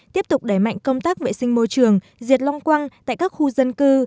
tiếp tục đẩy mạnh công tác vệ sinh môi trường diệt long quăng tại các khu dân cư